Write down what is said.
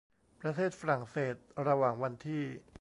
ประเทศฝรั่งเศส ระหว่างวันที่